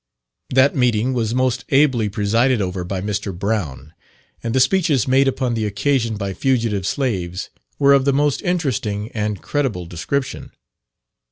That meeting was most ably presided over by Mr. Brown, and the speeches made upon the occasion by fugitive slaves were of the most interesting and creditable description.